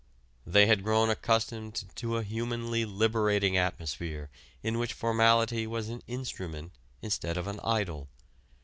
They had grown accustomed to a humanly liberating atmosphere in which formality was an instrument instead of an idol.